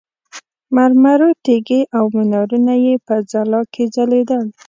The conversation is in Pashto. مرمرو تیږې او منارونه یې په ځلا کې ځلېدل.